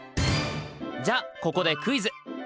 じゃあここでクイズ！